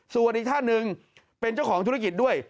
ส่วนอีกท่านหนึ่งเป็นเจ้าของธุรกิจด้วย